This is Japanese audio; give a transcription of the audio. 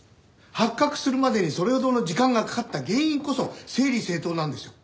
発覚するまでにそれほどの時間がかかった原因こそ整理整頓なんですよ。